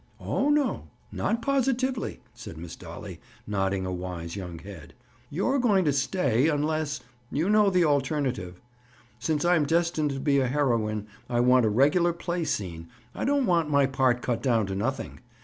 "Oh, no; not positively," said Miss Dolly, nodding a wise young head. "You're going to stay, unless—you know the alternative. Since I'm destined to be a heroine, I want a regular play scene. I don't want my part cut down to nothing.